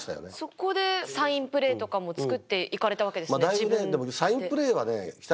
そこでサインプレーとかも作っていかれたわけですよね自分で。